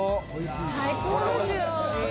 最高ですよ。